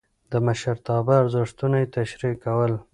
د مشرتابه ارزښتونه يې تشريح کول.